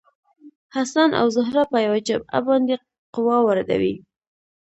حسن او زهره په یوه جعبه باندې قوه واردوي.